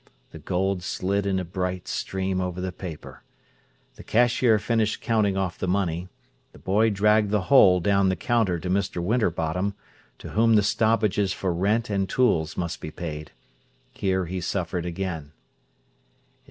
The gold slid in a bright stream over the paper. The cashier finished counting off the money; the boy dragged the whole down the counter to Mr. Winterbottom, to whom the stoppages for rent and tools must be paid. Here he suffered again.